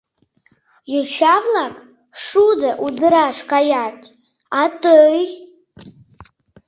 Йоча-влак шудо удыраш каят, а тый...